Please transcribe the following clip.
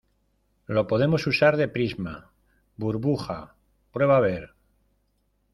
lo podemos usar de prisma. burbuja, prueba a ver .